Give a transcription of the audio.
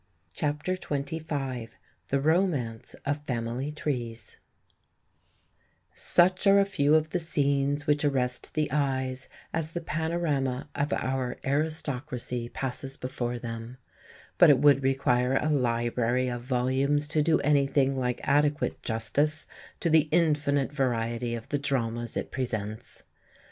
CHAPTER XXV THE ROMANCE OF FAMILY TREES Such are a few of the scenes which arrest the eyes as the panorama of our aristocracy passes before them; but it would require a library of volumes to do anything like adequate justice to the infinite variety of the dramas it presents.